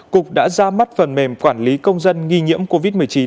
cục đã ra mắt phần mềm quản lý công dân nghi nhiễm covid một mươi chín